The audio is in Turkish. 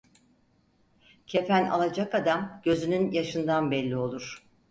Kefen alacak adam gözünün yaşından belli olur.